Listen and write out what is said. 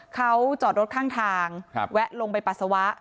เขาจอดรถข้างทางแวะลงไปปัสสาวะ